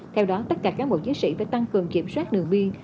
theo đó tất cả cán bộ chiến sĩ phải tăng cường kiểm soát đường biên